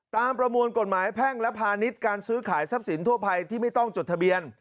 ประมวลกฎหมายแพ่งและพาณิชย์การซื้อขายทรัพย์สินทั่วไปที่ไม่ต้องจดทะเบียน